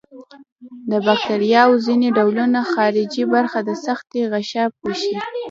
د باکتریاوو ځینې ډولونه خارجي برخه د سختې غشا پوښي.